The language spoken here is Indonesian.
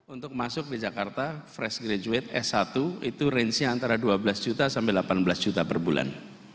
untuk masuk di jakarta fresh graduate s satu itu range nya antara dua belas juta sampai delapan belas juta per bulan